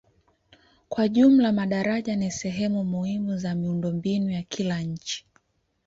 Kwa jumla madaraja ni sehemu muhimu za miundombinu ya kila nchi.